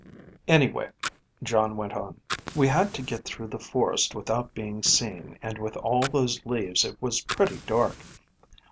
"Anyway," Jon went on, "we had to get through the forest without being seen and with all those leaves it was pretty dark.